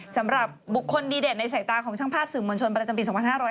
สำหรับบุคคลดีเด่นในสายตาของช่างภาพสื่อมวลชนประจำปี๒๕๕๙